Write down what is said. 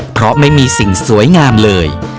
เพราะไม่มีสิ่งสวยงามเลย